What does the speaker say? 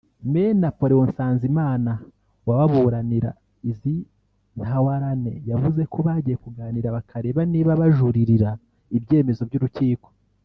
Me Napoleon Nsanzimana wababuranira izi Ntawarane yavuze ko bagiye kuganira bakareba niba bajuririra ibyemezo by’urukiko